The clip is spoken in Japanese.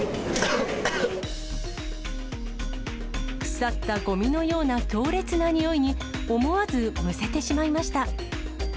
腐ったごみのような強烈な臭いに、思わずむせてしまいました。